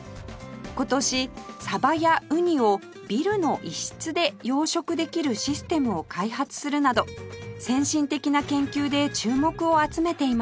今年サバやウニをビルの一室で養殖できるシステムを開発するなど先進的な研究で注目を集めています